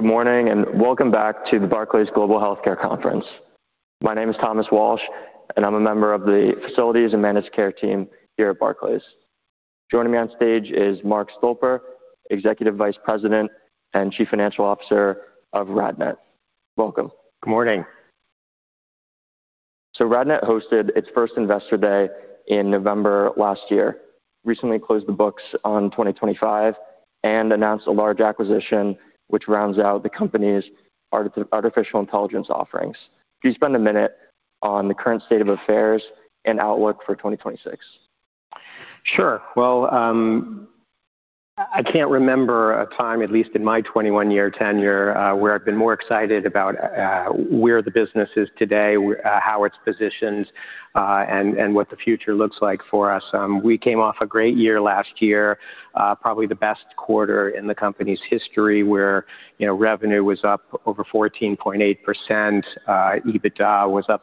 Good morning, and welcome back to the Barclays Global Healthcare Conference. My name is Thomas Walsh, and I'm a member of the Facilities and Managed Care team here at Barclays. Joining me on stage is Mark Stolper, Executive Vice President and Chief Financial Officer of RadNet. Welcome. Good morning. RadNet hosted its first Investor Day in November last year, recently closed the books on 2025 and announced a large acquisition which rounds out the company's artificial intelligence offerings. Can you spend a minute on the current state of affairs and outlook for 2026? Sure. Well, I can't remember a time, at least in my 21-year tenure, where I've been more excited about where the business is today, how it's positioned, and what the future looks like for us. We came off a great year last year, probably the best quarter in the company's history, where, you know, revenue was up over 14.8%. EBITDA was up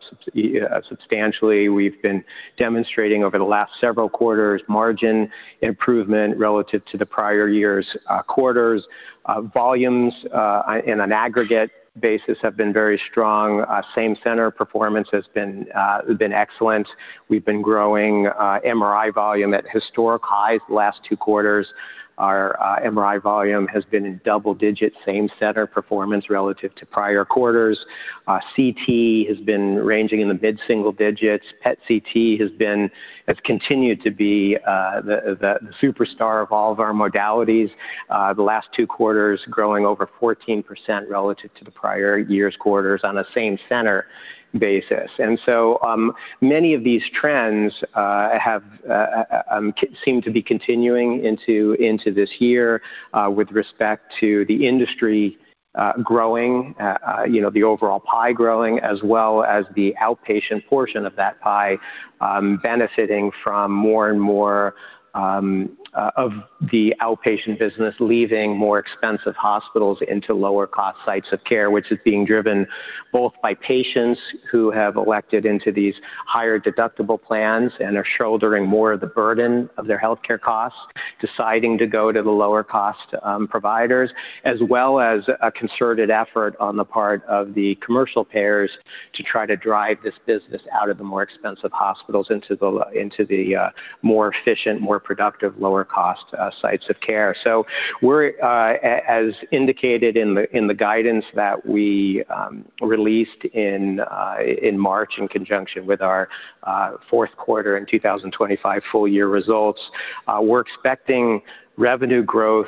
substantially. We've been demonstrating over the last several quarters margin improvement relative to the prior year's quarters. Volumes on an aggregate basis have been very strong. Same center performance has been excellent. We've been growing MRI volume at historic highs the last two quarters. Our MRI volume has been in double digits, same center performance relative to prior quarters. CT has been ranging in the mid-single digits. PET CT has continued to be the superstar of all of our modalities, the last two quarters growing over 14% relative to the prior year's quarters on a same-center basis. Many of these trends have, seem to be continuing into this year with respect to the industry growing you know the overall pie growing as well as the outpatient portion of that pie benefiting from more and more of the outpatient business leaving more expensive hospitals into lower cost sites of care, which is being driven both by patients who have elected into these higher deductible plans and are shouldering more of the burden of their healthcare costs deciding to go to the lower cost providers, as well as a concerted effort on the part of the commercial payers to try to drive this business out of the more expensive hospitals into the more efficient more productive lower cost sites of care. As indicated in the guidance that we released in March in conjunction with our fourth quarter in 2025 full year results, we're expecting revenue growth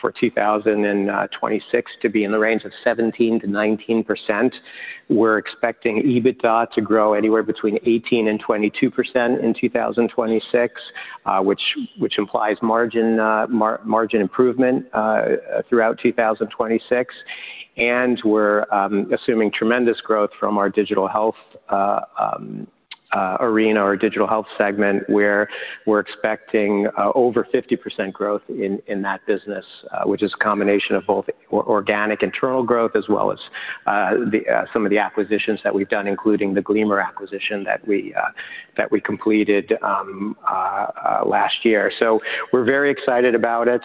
for 2026 to be in the range of 17%-19%. We're expecting EBITDA to grow anywhere between 18% and 22% in 2026, which implies margin improvement throughout 2026. We're assuming tremendous growth from our digital health arena or digital health segment, where we're expecting over 50% growth in that business, which is a combination of both organic internal growth as well as some of the acquisitions that we've done, including the Gleamer acquisition that we completed last year. We're very excited about it.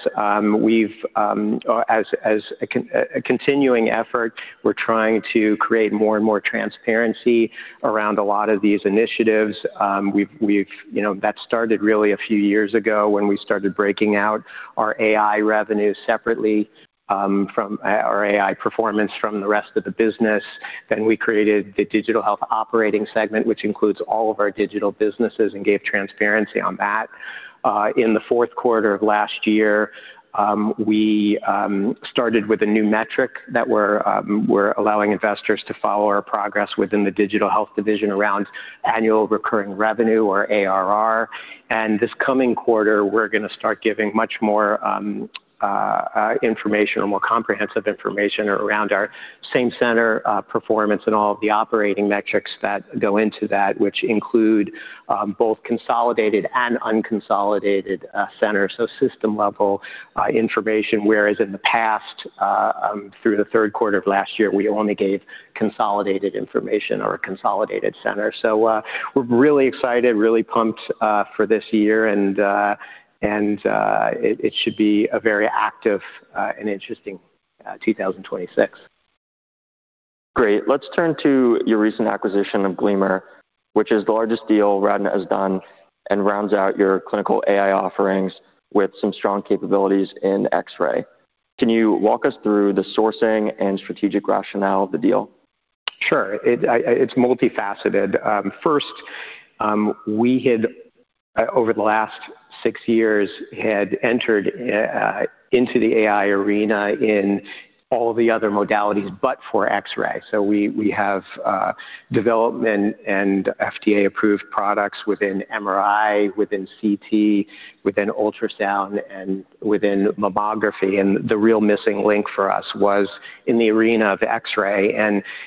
As a continuing effort, we're trying to create more and more transparency around a lot of these initiatives. You know, that started really a few years ago when we started breaking out our AI revenue separately from the rest of the business. We created the digital health operating segment, which includes all of our digital businesses, and gave transparency on that. In the fourth quarter of last year, we started with a new metric that we're allowing investors to follow our progress within the digital health division around annual recurring revenue or ARR. This coming quarter, we're gonna start giving much more information or more comprehensive information around our same center performance and all of the operating metrics that go into that, which include both consolidated and unconsolidated centers, so system level information. Whereas in the past through the third quarter of last year, we only gave consolidated information or a consolidated center. We're really excited, really pumped for this year and it should be a very active and interesting 2026. Great. Let's turn to your recent acquisition of Gleamer, which is the largest deal RadNet has done and rounds out your clinical AI offerings with some strong capabilities in X-ray. Can you walk us through the sourcing and strategic rationale of the deal? Sure. It's multifaceted. First, we had over the last six years had entered into the AI arena in all the other modalities, but for X-ray. We have development and FDA-approved products within MRI, within CT, within ultrasound, and within mammography. The real missing link for us was in the arena of X-ray.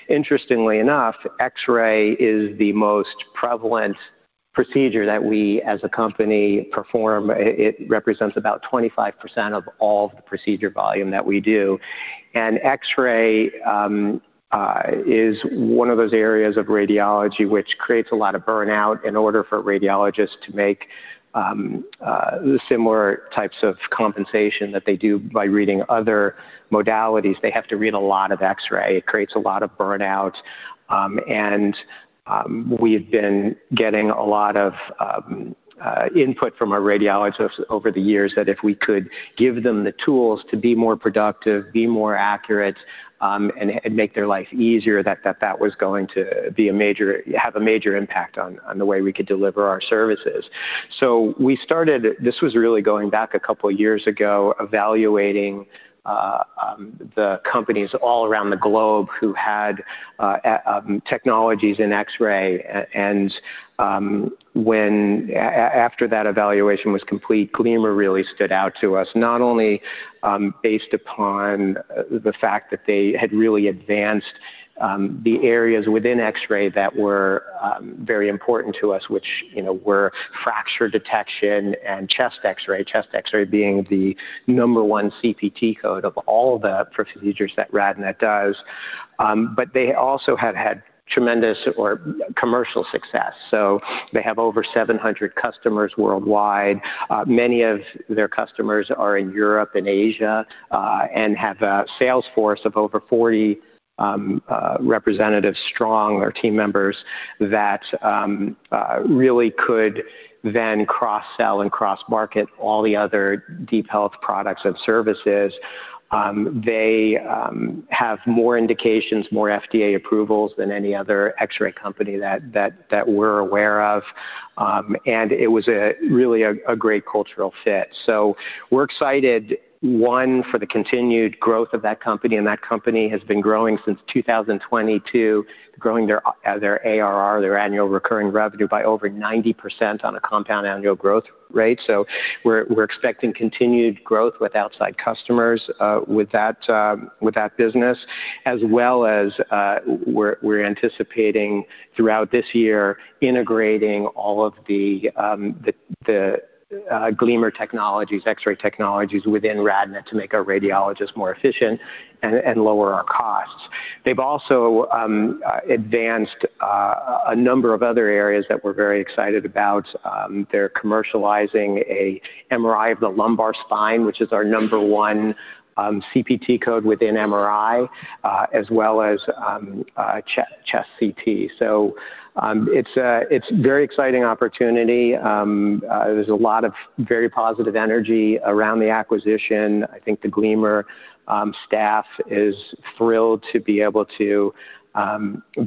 Interestingly enough, X-ray is the most prevalent procedure that we as a company perform. It represents about 25% of all the procedure volume that we do. X-ray is one of those areas of radiology which creates a lot of burnout in order for radiologists to make similar types of compensation that they do by reading other modalities. They have to read a lot of X-ray. It creates a lot of burnout. We've been getting a lot of input from our radiologists over the years that if we could give them the tools to be more productive, be more accurate, and make their life easier, that was going to have a major impact on the way we could deliver our services. We started, this was really going back a couple years ago, evaluating the companies all around the globe who had technologies in X-ray. When after that evaluation was complete, Gleamer really stood out to us, not only based upon the fact that they had really advanced the areas within X-ray that were very important to us, which, you know, were fracture detection and chest X-ray, chest X-ray being the number one CPT code of all the procedures that RadNet does. They also have had tremendous commercial success. They have over 700 customers worldwide. Many of their customers are in Europe and Asia, and have a sales force of over 40 representatives strong or team members that really could then cross-sell and cross-market all the other DeepHealth products and services. They have more indications, more FDA approvals than any other X-ray company that we're aware of. It was really a great cultural fit. We're excited one for the continued growth of that company, and that company has been growing since 2022, growing their ARR, their annual recurring revenue, by over 90% on a compound annual growth rate. We're expecting continued growth with outside customers with that business, as well as we're anticipating throughout this year integrating all of the Gleamer technologies, X-ray technologies within RadNet to make our radiologists more efficient and lower our costs. They've also advanced a number of other areas that we're very excited about. They're commercializing an MRI of the lumbar spine, which is our number one CPT code within MRI, as well as chest CT. It's very exciting opportunity. There's a lot of very positive energy around the acquisition. I think the Gleamer staff is thrilled to be able to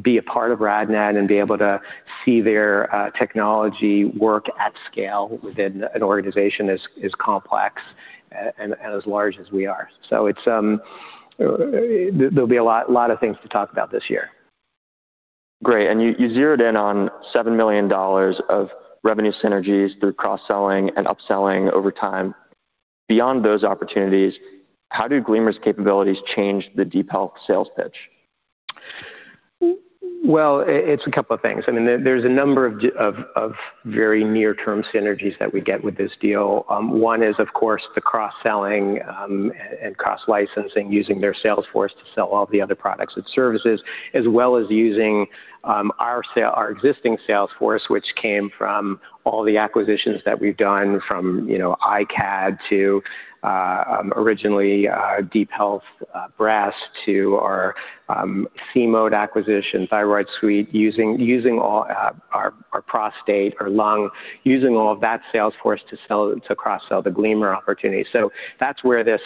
be a part of RadNet and be able to see their technology work at scale within an organization as complex and as large as we are. It's there'll be a lot of things to talk about this year. Great. You zeroed in on $7 million of revenue synergies through cross-selling and upselling over time. Beyond those opportunities, how do Gleamer's capabilities change the DeepHealth sales pitch? Well, it's a couple of things. I mean, there's a number of very near-term synergies that we get with this deal. One is, of course, the cross-selling and cross-licensing using their sales force to sell all the other products and services, as well as using our existing sales force, which came from all the acquisitions that we've done from, you know, iCAD to originally DeepHealth Breast to our See-Mode acquisition, Thyroid Suite, using all our prostate, our lung, using all of that sales force to cross-sell the Gleamer opportunity. That's where this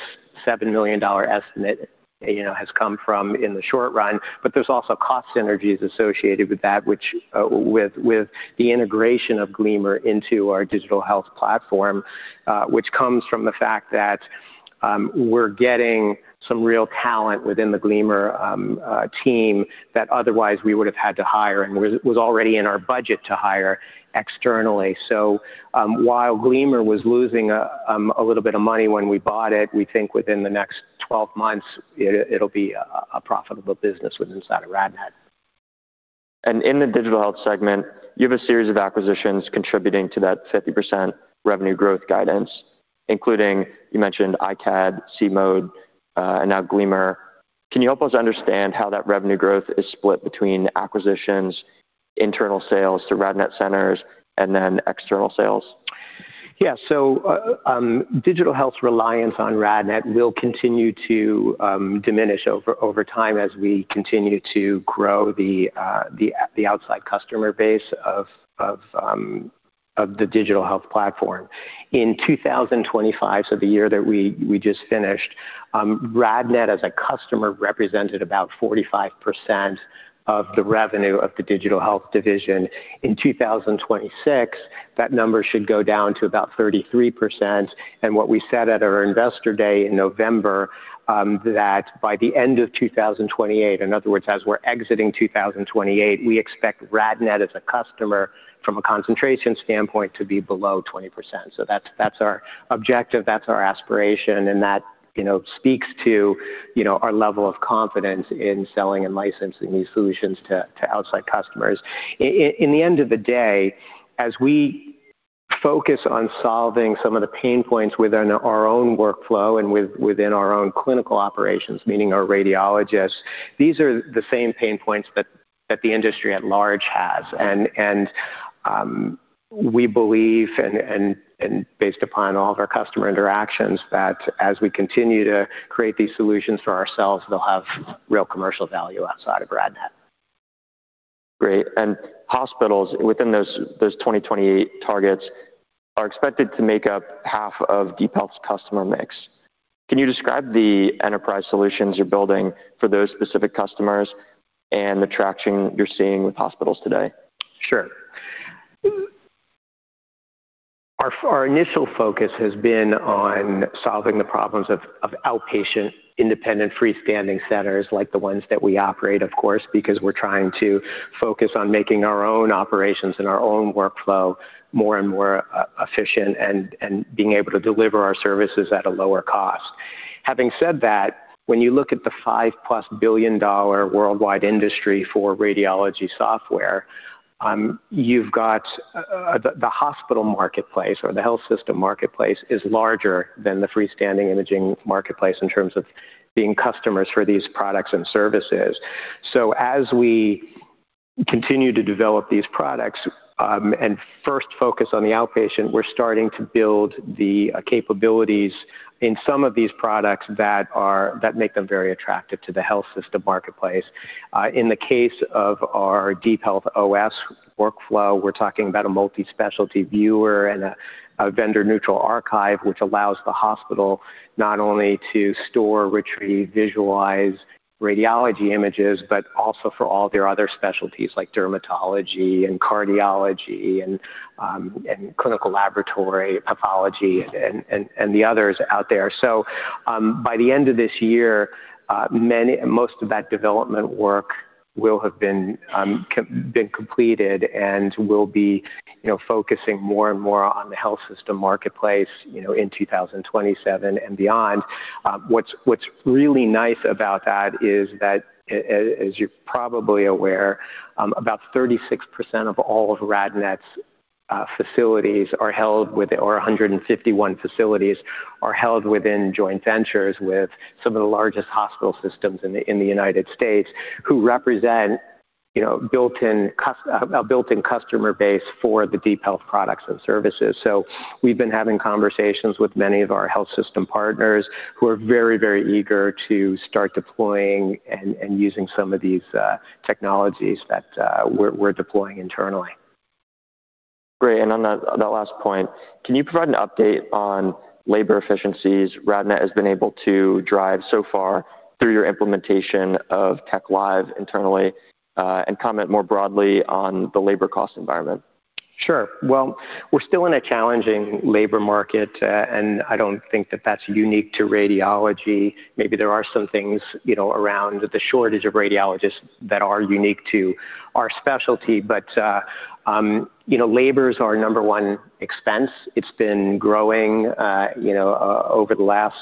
$7 million estimate, you know, has come from in the short run. There's also cost synergies associated with that, which with the integration of Gleamer into our digital health platform, which comes from the fact that we're getting some real talent within the Gleamer team that otherwise we would have had to hire and was already in our budget to hire externally. While Gleamer was losing a little bit of money when we bought it, we think within the next 12 months it'll be a profitable business within RadNet. In the digital health segment, you have a series of acquisitions contributing to that 50% revenue growth guidance, including, you mentioned iCAD, See-Mode, and now Gleamer. Can you help us understand how that revenue growth is split between acquisitions, internal sales to RadNet centers, and then external sales? Yeah. Digital health's reliance on RadNet will continue to diminish over time as we continue to grow the outside customer base of the digital health platform. In 2025, so the year that we just finished, RadNet as a customer represented about 45% of the revenue of the digital health division. In 2026, that number should go down to about 33%. What we said at our investor day in November, that by the end of 2028, in other words, as we're exiting 2028, we expect RadNet as a customer from a concentration standpoint to be below 20%. That's our objective, that's our aspiration, and that, you know, speaks to, you know, our level of confidence in selling and licensing these solutions to outside customers. At the end of the day, as we focus on solving some of the pain points within our own workflow and within our own clinical operations, meaning our radiologists. These are the same pain points that the industry at large has. We believe and based upon all of our customer interactions, that as we continue to create these solutions for ourselves, they'll have real commercial value outside of RadNet. Great. Hospitals within those 2028 targets are expected to make up half of DeepHealth's customer mix. Can you describe the enterprise solutions you're building for those specific customers and the traction you're seeing with hospitals today? Sure. Our initial focus has been on solving the problems of outpatient independent freestanding centers like the ones that we operate, of course, because we're trying to focus on making our own operations and our own workflow more and more efficient and being able to deliver our services at a lower cost. Having said that, when you look at the $5+ billion worldwide industry for radiology software, you've got the hospital marketplace or the health system marketplace is larger than the freestanding imaging marketplace in terms of being customers for these products and services. As we continue to develop these products and first focus on the outpatient, we're starting to build the capabilities in some of these products that make them very attractive to the health system marketplace. In the case of our DeepHealth OS workflow, we're talking about a multi-specialty viewer and a vendor-neutral archive, which allows the hospital not only to store, retrieve, visualize radiology images, but also for all their other specialties like dermatology and cardiology and clinical laboratory, pathology and the others out there. By the end of this year, most of that development work will have been completed and we'll be, you know, focusing more and more on the health system marketplace, you know, in 2027 and beyond. What's really nice about that is that as you're probably aware, about 36% of all of RadNet's facilities are held with, or 151 facilities are held within joint ventures with some of the largest hospital systems in the United States, who represent, you know, a built-in customer base for the DeepHealth products and services. We've been having conversations with many of our health system partners who are very eager to start deploying and using some of these technologies that we're deploying internally. Great. On that last point, can you provide an update on labor efficiencies RadNet has been able to drive so far through your implementation of TechLive internally, and comment more broadly on the labor cost environment? Sure. Well, we're still in a challenging labor market, and I don't think that that's unique to radiology. Maybe there are some things, you know, around the shortage of radiologists that are unique to our specialty. You know, labor is our number one expense. It's been growing, you know, over the last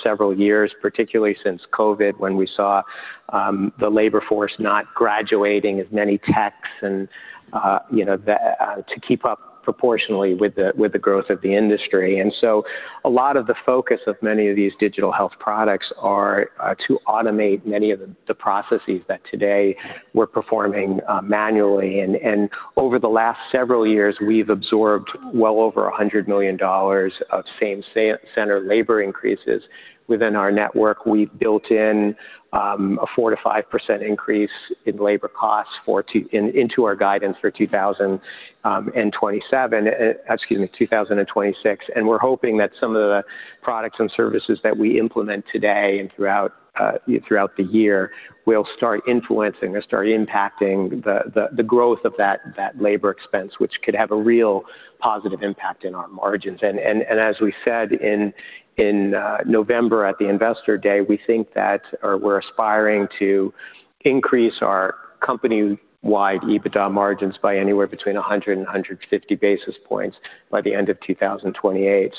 several years, particularly since COVID, when we saw the labor force not graduating as many techs and, you know, to keep up proportionally with the growth of the industry. A lot of the focus of many of these digital health products are to automate many of the processes that today we're performing manually. Over the last several years, we've absorbed well over $100 million of same-center labor increases within our network. We've built in a 4%-5% increase in labor costs into our guidance for 2026. We're hoping that some of the products and services that we implement today and throughout the year will start influencing or start impacting the growth of that labor expense, which could have a real positive impact in our margins. As we said in November at the Investor Day, we think that or we're aspiring to increase our company-wide EBITDA margins by anywhere between 100 and 150 basis points by the end of 2028.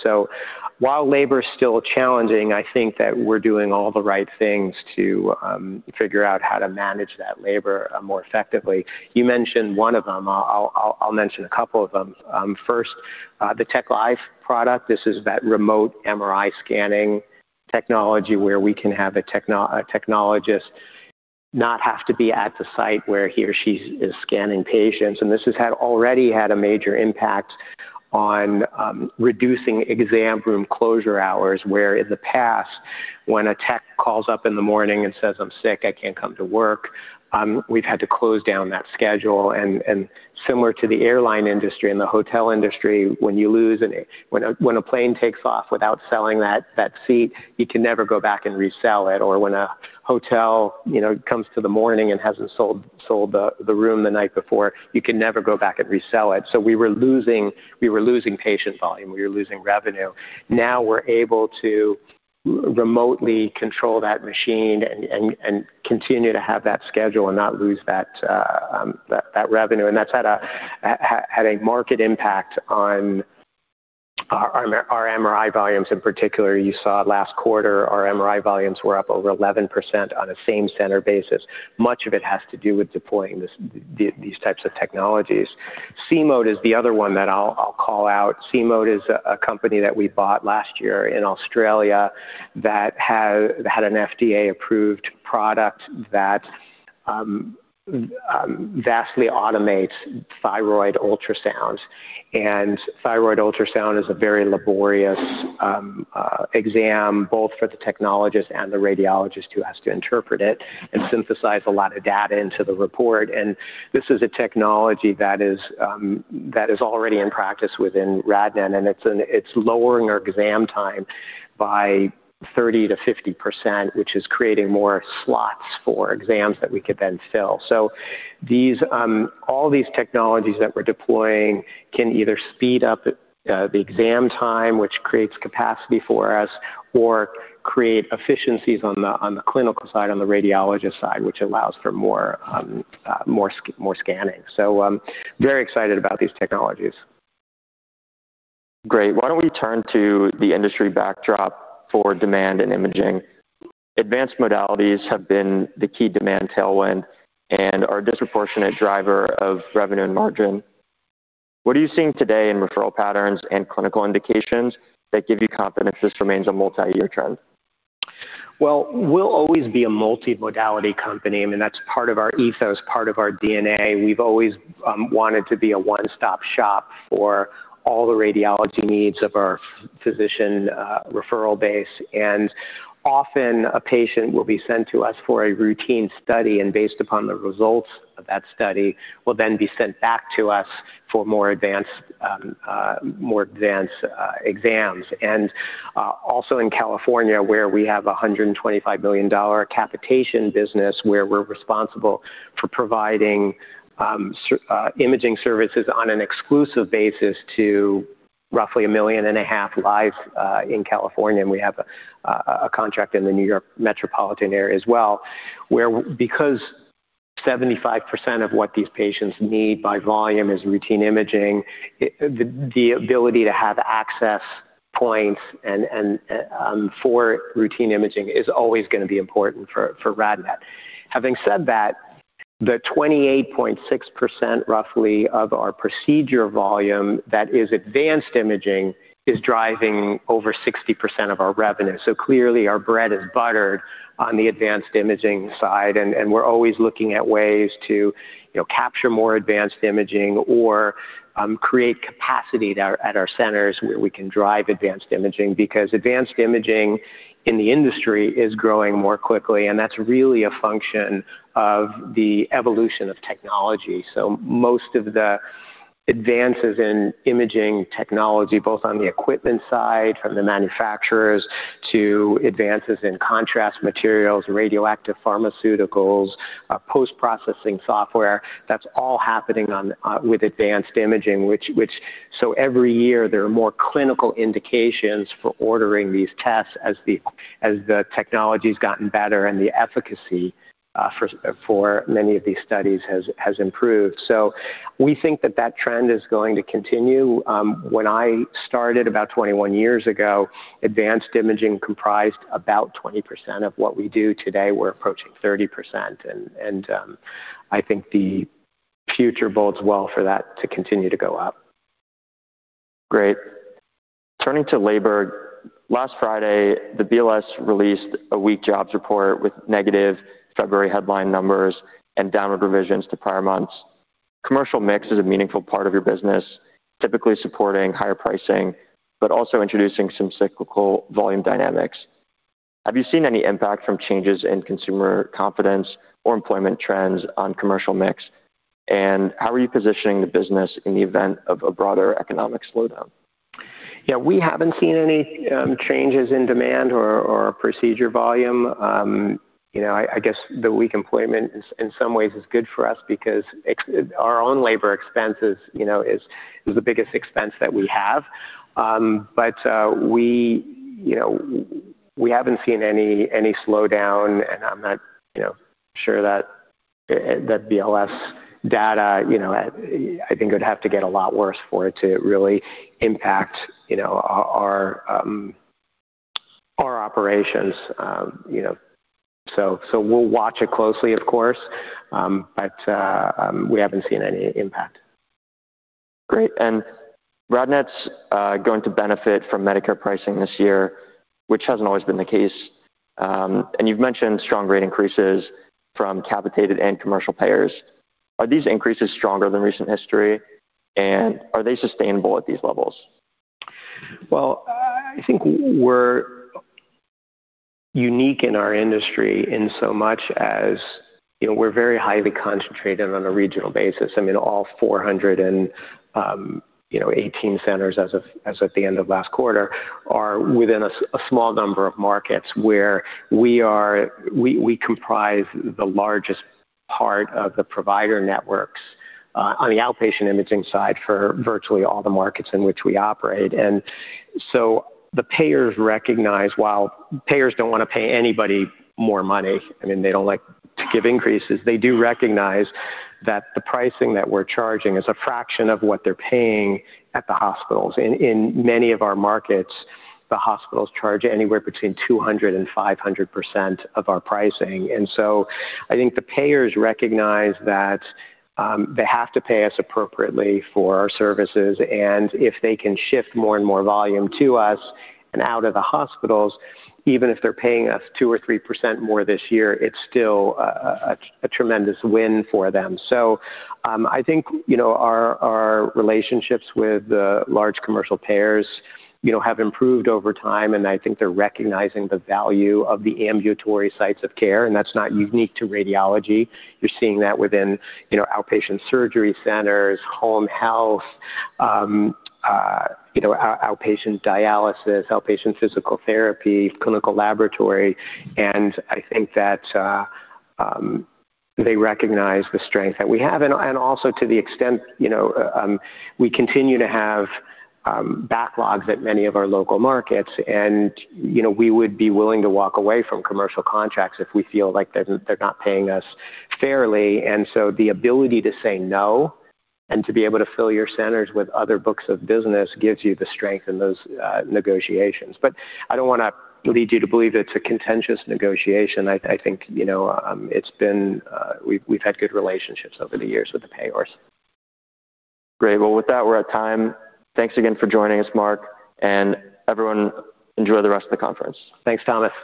While labor is still challenging, I think that we're doing all the right things to figure out how to manage that labor more effectively. You mentioned one of them. I'll mention a couple of them. First, the TechLive product. This is that remote MRI scanning technology where we can have a technologist not have to be at the site where he or she is scanning patients. This has already had a major impact on reducing exam room closure hours, where in the past when a tech calls up in the morning and says, "I'm sick, I can't come to work," we've had to close down that schedule. Similar to the airline industry and the hotel industry, when a plane takes off without selling that seat, you can never go back and resell it. When a hotel, you know, comes to the morning and hasn't sold the room the night before, you can never go back and resell it. We were losing patient volume, we were losing revenue. Now we're able to remotely control that machine and continue to have that schedule and not lose that revenue. That's had a marked impact on our MRI volumes in particular. You saw last quarter our MRI volumes were up over 11% on a same-center basis. Much of it has to do with deploying these types of technologies. See-Mode is the other one that I'll call out. See-Mode is a company that we bought last year in Australia that had an FDA-approved product that vastly automates thyroid ultrasounds. Thyroid ultrasound is a very laborious exam, both for the technologist and the radiologist who has to interpret it and synthesize a lot of data into the report. This is a technology that is already in practice within RadNet, and it's lowering our exam time by 30%-50%, which is creating more slots for exams that we could then fill. All these technologies that we're deploying can either speed up the exam time, which creates capacity for us, or create efficiencies on the clinical side, on the radiologist side, which allows for more scanning. Very excited about these technologies. Great. Why don't we turn to the industry backdrop for demand and imaging? Advanced modalities have been the key demand tailwind and are a disproportionate driver of revenue and margin. What are you seeing today in referral patterns and clinical indications that give you confidence this remains a multi-year trend? Well, we'll always be a multimodality company, and that's part of our ethos, part of our DNA. We've always wanted to be a one-stop shop for all the radiology needs of our physician referral base. Often a patient will be sent to us for a routine study, and based upon the results of that study, will then be sent back to us for more advanced exams. Also in California, where we have a $125 million capitation business, where we're responsible for providing imaging services on an exclusive basis to roughly 1.5 million lives in California, and we have a contract in the New York metropolitan area as well, where because 75% of what these patients need by volume is routine imaging, the ability to have access points and for routine imaging is always gonna be important for RadNet. Having said that, the 28.6% roughly of our procedure volume that is advanced imaging is driving over 60% of our revenue. Clearly, our bread is buttered on the advanced imaging side, and we're always looking at ways to, you know, capture more advanced imaging or create capacity at our centers where we can drive advanced imaging, because advanced imaging in the industry is growing more quickly, and that's really a function of the evolution of technology. Most of the advances in imaging technology, both on the equipment side from the manufacturers to advances in contrast materials, radioactive pharmaceuticals, post-processing software, that's all happening on with advanced imaging, whichEvery year, there are more clinical indications for ordering these tests as the technology's gotten better and the efficacy for many of these studies has improved. We think that trend is going to continue. When I started about 21 years ago, advanced imaging comprised about 20% of what we do today. We're approaching 30% and I think the future bodes well for that to continue to go up. Great. Turning to labor, last Friday, the BLS released a weak jobs report with negative February headline numbers and downward revisions to prior months. Commercial mix is a meaningful part of your business, typically supporting higher pricing, but also introducing some cyclical volume dynamics. Have you seen any impact from changes in consumer confidence or employment trends on commercial mix? And how are you positioning the business in the event of a broader economic slowdown? Yeah, we haven't seen any changes in demand or procedure volume. You know, I guess the weak employment is in some ways good for us because our own labor expense is the biggest expense that we have. We, you know, haven't seen any slowdown, and I'm not, you know, sure that BLS data, you know, I think it would have to get a lot worse for it to really impact, you know, our operations. We'll watch it closely, of course, but we haven't seen any impact. Great. RadNet's going to benefit from Medicare pricing this year, which hasn't always been the case. You've mentioned strong rate increases from capitated and commercial payers. Are these increases stronger than recent history, and are they sustainable at these levels? Well, I think we're unique in our industry in so much as, you know, we're very highly concentrated on a regional basis. I mean, all 418 centers as of the end of last quarter are within a small number of markets where we comprise the largest part of the provider networks on the outpatient imaging side for virtually all the markets in which we operate. The payers recognize while payers don't wanna pay anybody more money, I mean, they don't like to give increases, they do recognize that the pricing that we're charging is a fraction of what they're paying at the hospitals. In many of our markets, the hospitals charge anywhere between 200%-500% of our pricing. I think the payers recognize that, they have to pay us appropriately for our services, and if they can shift more and more volume to us and out of the hospitals, even if they're paying us 2% or 3% more this year, it's still a tremendous win for them. I think, you know, our relationships with the large commercial payers, you know, have improved over time, and I think they're recognizing the value of the ambulatory sites of care, and that's not unique to radiology. You're seeing that within, you know, outpatient surgery centers, home health, you know, outpatient dialysis, outpatient physical therapy, clinical laboratory, and I think that they recognize the strength that we have. To the extent, you know, we continue to have backlogs at many of our local markets and, you know, we would be willing to walk away from commercial contracts if we feel like they're not paying us fairly. The ability to say no and to be able to fill your centers with other books of business gives you the strength in those negotiations. I don't wanna lead you to believe it's a contentious negotiation. I think, you know, it's been. We've had good relationships over the years with the payers. Great. Well, with that, we're at time. Thanks again for joining us, Mark, and everyone enjoy the rest of the conference. Thanks, Thomas.